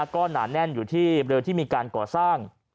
ก็หนาแน่นอยู่ที่เรือที่มีการก่อสร้าง